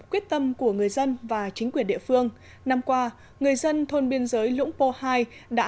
quyết tâm của người dân và chính quyền địa phương năm qua người dân thôn biên giới lũng pô hai đã